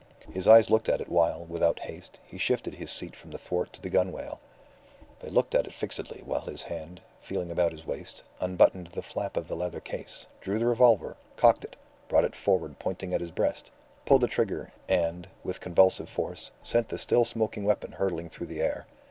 His eyes looked at it while, without haste, he shifted his seat from the thwart to the gunwale. They looked at it fixedly, while his hand, feeling about his waist, unbuttoned the flap of the leather case, drew the revolver, cocked it, brought it forward pointing at his breast, pulled the trigger, and, with convulsive force, sent the still smoking weapon hurtling through the air.